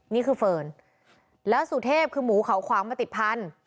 นี่คือเฟิร์นแล้วสุเทพคือหมูเขาขวางมาติดพันธ